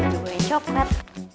juga yang cokelat